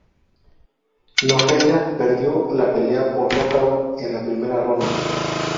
Nogueira perdió la pelea por nocaut en la primera ronda.